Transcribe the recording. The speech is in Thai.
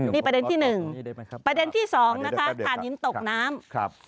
นี่ประเด็นที่๑ประเด็นที่๒นะคะธานินตกน้ำ